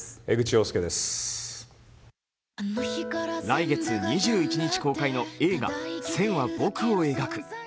来月２１日公開の映画「線は、僕を描く」。